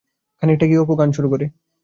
খানিকটা গিয়া অপু গান শুরু করে।